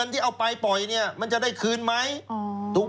ถามว่าโทรรายงานใคร